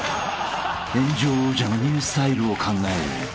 ［炎上王者のニュースタイルを考える］